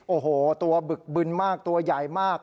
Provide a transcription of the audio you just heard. โอ้โหตัวบึกบึนมากตัวใหญ่มาก